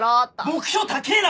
目標高ぇな！